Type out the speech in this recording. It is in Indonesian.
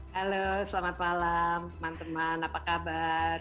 halo selamat malam teman teman apa kabar